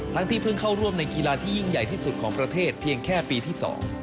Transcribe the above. ที่เพิ่งเข้าร่วมในกีฬาที่ยิ่งใหญ่ที่สุดของประเทศเพียงแค่ปีที่๒